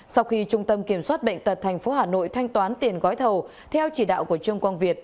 sau khi trung tâm kiểm soát bệnh tật tp hà nội thanh toán tiền gói thầu theo chỉ đạo của trương quang việt